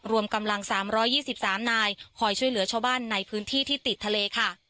รวมกำลัง๓๒๓นายคอยช่วยเหลือชาวบ้านในพื้นที่ที่ติดทะเลค่ะ